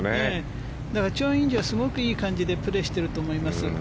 だからチョン・インジはすごくいい感じでプレーしていると思います。